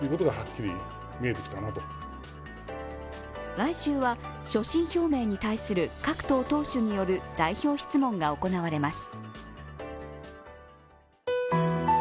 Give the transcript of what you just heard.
来週は所信表明に対する各党党首による代表質問が行われます。